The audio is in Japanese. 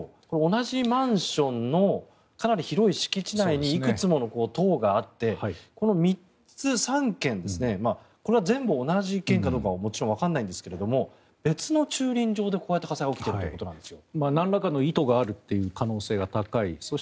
同じマンションのかなり広い敷地内にいくつもの棟があってこの３つ、３件これは全部同じ件かどうかもちろんわからないんですが別の駐輪場でこうやって火災が起きているということなんですよ。